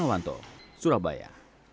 kototnya sama di angle nya